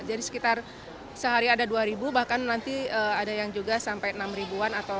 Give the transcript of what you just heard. jadi sekitar sehari ada dua bahkan nanti ada yang juga sampai enam an atau sepuluh